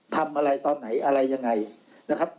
ทำอะไรตอนไหนอะไรยังไงนะครับ